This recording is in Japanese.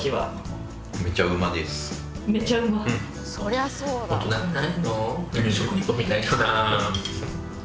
そりゃそうだわ。